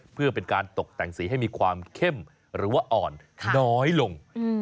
เพื่อเป็นการตกแต่งสีให้มีความเข้มหรือว่าอ่อนน้อยลง